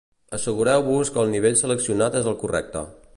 Assegureu-vos que el nivell seleccionat és el correcte.